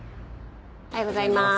おはようございます。